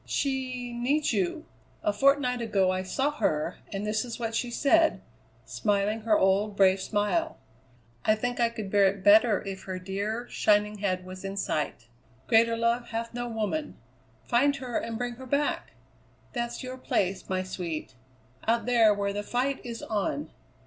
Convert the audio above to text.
"She needs you. A fortnight ago I saw her, and this is what she said, smiling her old, brave smile: 'I think I could bear it better if her dear, shining head was in sight. Greater love hath no woman! Find her and bring her back!' That's your place, my sweet. Out there where the fight is on.